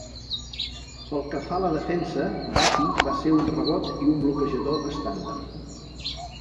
Pel que fa la defensa, Battie va ser un rebot i un bloquejador estàndard.